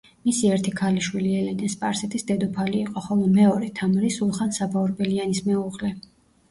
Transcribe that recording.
მისი ერთი ქალიშვილი, ელენე სპარსეთის დედოფალი იყო, ხოლო მეორე, თამარი სულხან-საბა ორბელიანის მეუღლე.